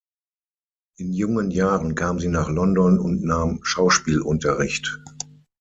In jungen Jahren kam sie nach London und nahm Schauspielunterricht.